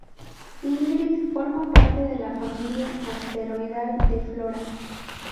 Ingrid forma parte de la familia asteroidal de Flora.